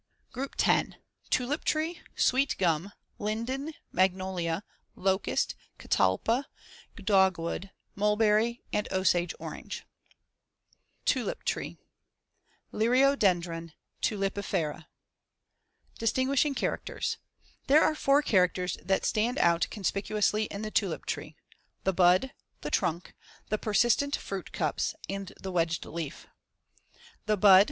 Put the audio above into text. GROUP X. TULIP TREE, SWEET GUM, LINDEN, MAGNOLIA, LOCUST, CATALPA, DOGWOOD, MULBERRY AND OSAGE ORANGE TULIP TREE (Liriodendron tulipifera) Distinguishing characters: There are four characters that stand out conspicuously in the tulip tree the *bud*, the *trunk*, the persistent *fruit cups* and the wedged *leaf*. The bud, Fig.